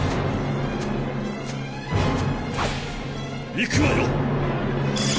いくわよ！